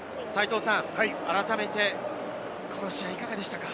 改めてこの試合いかがでしたか？